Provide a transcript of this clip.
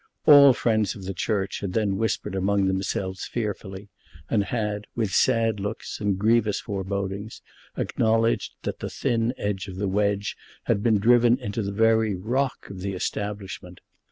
All friends of the Church had then whispered among themselves fearfully, and had, with sad looks and grievous forebodings, acknowledged that the thin edge of the wedge had been driven into the very rock of the Establishment.